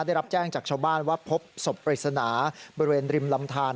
ได้รับแจ้งจากชาวบ้านว่าพบศพปริศนาบริเวณริมลำทาน